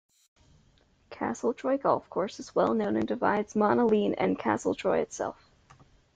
Castletroy Golf Course is well known and divides Monaleen and Castletroy itself.